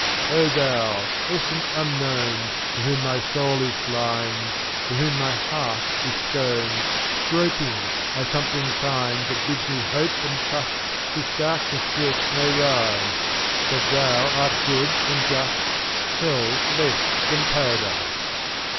455 O Thou, Essence Unknown, To whom my soul is blind, To whom my heart is stone, Groping, I something find That bids me hope and trust This darkness yet may rise; That Thou art good and just; Hell less than paradise.